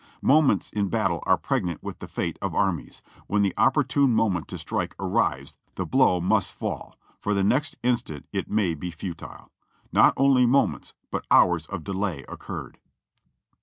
Moments in battle are pregnant with the fate of armies. When the opportune moment to strike arrives, the blow must fall, for the next instant it may be futile. Not only moments but hours of delay occurred."